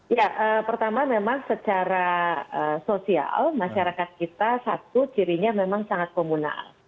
ya pertama memang secara sosial masyarakat kita satu cirinya memang sangat komunal